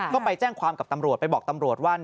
ก็ไปแจ้งความกับตำรวจไปบอกตำรวจว่า